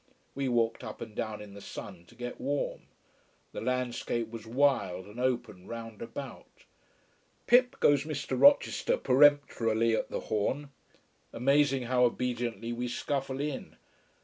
We walked up and down in the sun to get warm. The landscape was wild and open round about. Pip! goes Mr. Rochester, peremptorily, at the horn. Amazing how obediently we scuffle in.